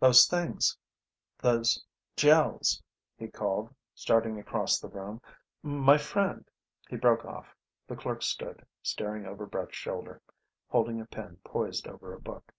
"Those things, those Gels!" he called, starting across the room. "My friend " He broke off. The clerk stood, staring over Brett's shoulder, holding a pen poised over a book.